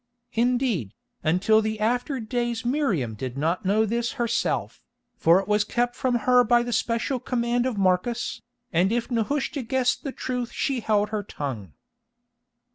Indeed, until the after days Miriam did not know this herself, for it was kept from her by the special command of Marcus, and if Nehushta guessed the truth she held her tongue.